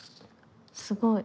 すごい。